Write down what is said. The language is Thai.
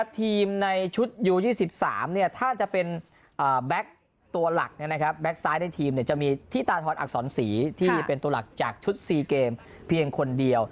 ที่เป็นตัวหลักจากชุด๑๔เกมเพียงคนเดียว